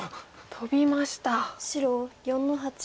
トビました。